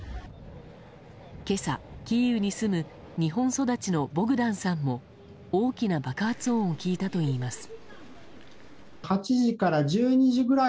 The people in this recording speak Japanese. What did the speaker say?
今朝、キーウに住む日本育ちのボグダンさんも大きな爆発音を聞いたといいます。